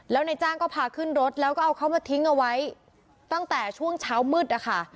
แล้วนายจ้างก็พาขึ้นรถแล้วก็เอาเขามาทิ้งเอาไว้ตั้งแต่ช่วงเช้ามืดนะคะ